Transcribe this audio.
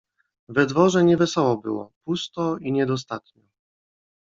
"We dworze nie wesoło było, pusto... i niedostatnio..."